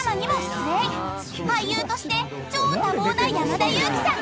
［俳優として超多忙な山田裕貴さん］